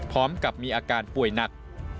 พร้อมกับมีอาการป่วยหนัก